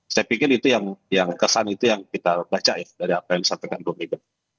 saya pikir itu yang kesan itu yang kita baca ya dari apa yang disampaikan bu mega